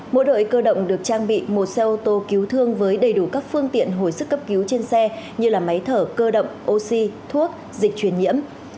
mỗi đội cơ động được trang bị một xe ô tô cứu thương với đầy đủ các phương tiện hồi sức cấp cứu trên xe như máy thở cơ động oxy thuốc dịch truyền nhiễm